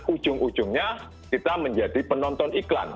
ujung ujungnya kita menjadi penonton iklan